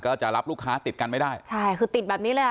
ก็จะรับลูกค้าติดกันไม่ได้ใช่คือติดแบบนี้เลยอ่ะ